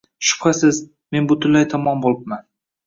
Shubhasiz, men butunlay tamom boʻlibman.